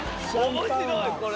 面白いこれ。